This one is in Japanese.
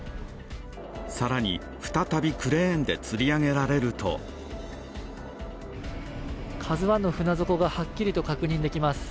更に、再びクレーンでつり上げられると「ＫＡＺＵⅠ」の船底がはっきりと確認できます。